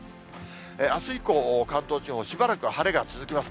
あす以降、関東地方、しばらく晴れが続きます。